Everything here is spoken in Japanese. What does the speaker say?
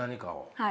はい。